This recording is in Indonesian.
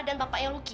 dan papanya luki